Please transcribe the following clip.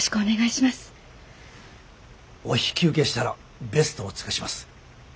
お引き受けしたらベストを尽くします。